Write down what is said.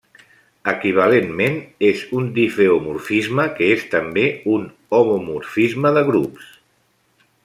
Equivalentment, és un difeomorfisme que és també un homomorfisme de grups.